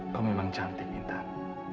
kau memang cantik intan